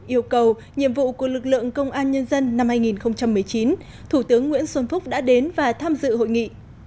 yêu cầu nhiệm vụ của lực lượng công an nhân dân năm hai nghìn một mươi chín thủ tướng nguyễn xuân phúc đã đến và tham dự hội nghị